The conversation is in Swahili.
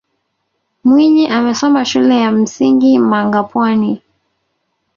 mwinyi amesoma shule ya msingi mangapwani